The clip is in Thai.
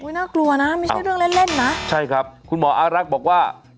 น่ากลัวนะไม่ใช่เรื่องเล่นเล่นนะใช่ครับคุณหมออารักษ์บอกว่า